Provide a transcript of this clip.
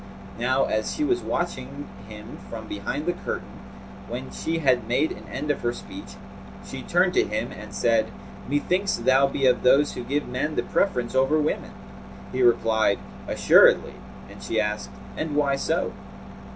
Now as she was watching him from behind the curtain; when she had made an end of her speech, she turned to him and said, 'Methinks thou be of those who give men the preference over women!' He replied, 'Assuredly,' and she asked, 'And why so?'